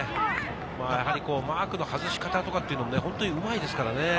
やはりマークの外し方というのも本当にうまいですからね。